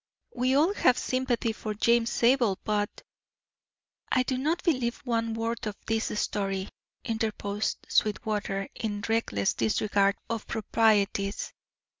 "We all have sympathy for James Zabel, but " "I do not believe one word of this story," interposed Sweetwater, in reckless disregard of proprieties.